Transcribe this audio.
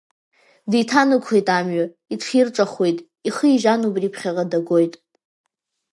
Деиҭанықәлеит амҩа, иҽирҿахуеит, ихы ижьан убри ԥхьаҟа дагоит.